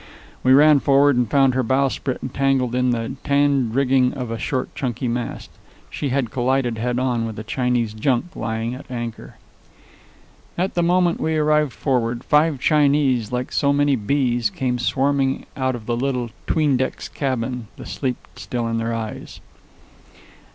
We ran forward, and found her bowsprit entangled in the tanned rigging of a short, chunky mast. She had collided, head on, with a Chinese junk lying at anchor. At the moment we arrived forward, five Chinese, like so many bees, came swarming out of the little 'tween decks cabin, the sleep still in their eyes.